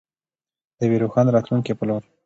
د یوې روښانه راتلونکې په لور.